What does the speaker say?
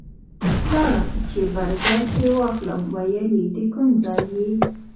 لاړم چې برګر ترې واخلم ویل یې د کوم ځای یې؟